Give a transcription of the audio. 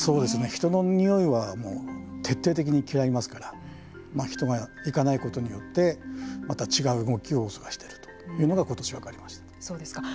人のにおいは徹底的に嫌いますから人が行かないことによってまた違う動きをしたりというのがことし分かりました。